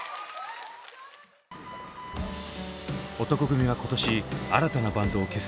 男闘呼組は今年新たなバンドを結成。